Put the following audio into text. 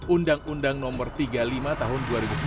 undang undang nomor tiga puluh lima tahun dua ribu sepuluh